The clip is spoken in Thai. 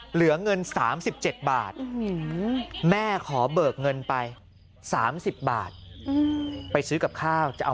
เหลือเงิน๓๗บาทแม่ขอเบิกเงินไป๓๐บาทไปซื้อกับข้าวจะเอา